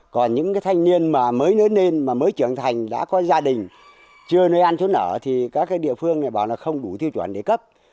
còn những cái thanh niên mà mới nớn lên mới trưởng thành đã có gia đình chưa nuôi ăn chốn ở thì các địa phương này bảo là không đủ thiêu chuẩn để cấp